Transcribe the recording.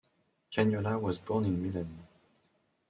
Cagnola was born in Milan.